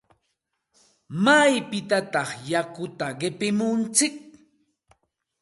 ¿Maypitataq yakuta qipimuntsik?